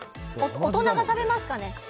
大人が食べますかね。